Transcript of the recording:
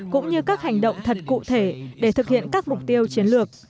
cũng như các hành động thật cụ thể để thực hiện các mục tiêu chiến lược